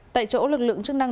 tại chỗ lực lượng chức năng